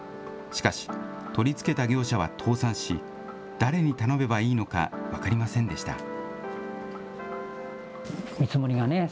しかし、取り付けた業者は倒産し、誰に頼めばいいのか分かりませんでした。